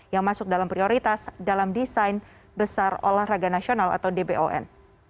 yang masuk dalam prioritas dalam desain besar olahraga nasional atau dbon